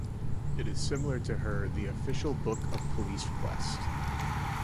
It is similar to her "The Official Book of Police Quest".